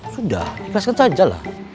sudah ikhlaskan sajalah